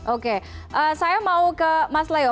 oke saya mau ke mas leo